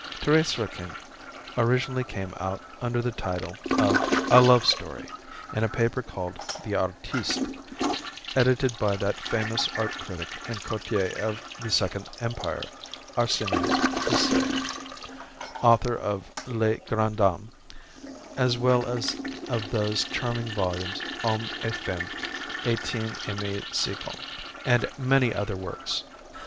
"Thérèse Raquin" originally came out under the title of "A Love Story" in a paper called the "Artiste," edited by that famous art critic and courtier of the Second Empire, Arsene Houssaye, author of "Les Grandes Dames," as well as of those charming volumes "Hommes et Femmes du 18eme Siècle," and many other works.